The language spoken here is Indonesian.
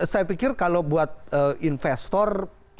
saya pikir kalau buat investor